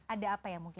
ada apa ya mungkin